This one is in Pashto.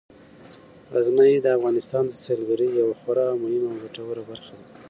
غزني د افغانستان د سیلګرۍ یوه خورا مهمه او ګټوره برخه ده.